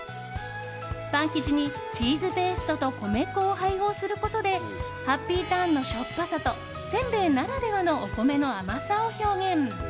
パン生地にチーズペーストと米粉を配合することでハッピーターンのしょっぱさとせんべいならではのお米の甘さを表現。